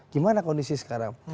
gimana kondisi sekarang